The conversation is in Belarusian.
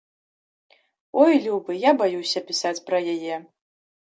Ой, любы, я баюся пісаць пра яе.